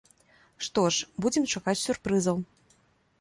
Што ж, будзем чакаць сюрпрызаў.